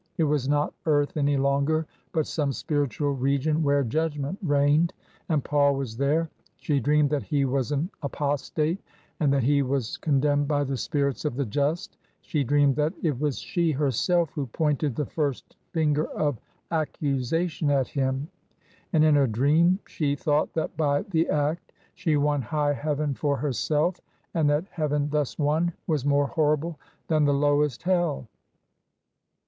It was npt earth any longer, but some spiritual region where Judgment reigned. And Paul was there; she dreamed that he was an apostate, and that he was condemned by the spirits of the just; — she dreamed that it was she herself who pointed the first finger of accu sation at him. And in her dream she thought that by the act she won high heaven for herself; and that heaven thus won was more horrible than the lowest hell.